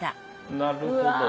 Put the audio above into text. なるほど。